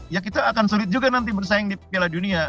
ya kita akan sulit juga nanti bersaing di piala dunia